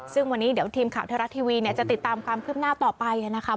ซึ่งวันนี้เดี๋ยวทีมข่าวไทยรัฐทีวีจะติดตามความคืบหน้าต่อไปนะคะ